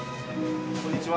こんにちは。